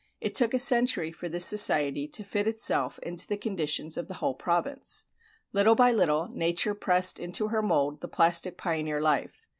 It took a century for this society to fit itself into the conditions of the whole province. Little by little, nature pressed into her mold the plastic pioneer life.